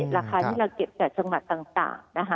ราคาที่เราเก็บแต่สมัครต่าง